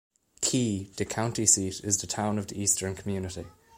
Key, the county seat is the town of the eastern community.